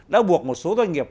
đã buộc một số doanh nghiệp